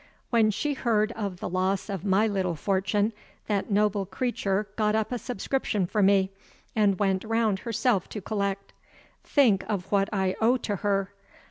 When she heard of the loss of my little fortune, that noble creature got up a subscription for me, and went round herself to collect. Think of what I owe to her!